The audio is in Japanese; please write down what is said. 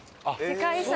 世界遺産。